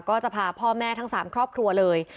ก็จะพาพ่อแม่ทั้ง๓ครอบครัวเลย